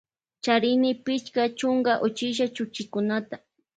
Charini pichka chunka uchilla chuchikunata.